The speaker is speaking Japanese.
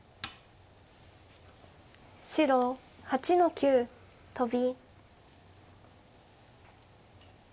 白８の九トビ。